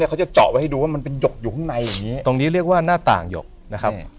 เขาช่วยอะไรอันนี้อะไร